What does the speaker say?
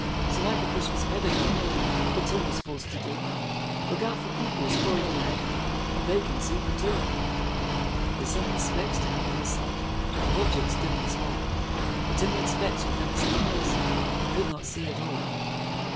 So, like a Christmas pedagogue, Poor Tim was forc'd to do Look out for pupils, for he had A vacancy for two. There's some have specs to help their sight Of objects dim and small: But Tim had specks within his eyes, And could not see at all.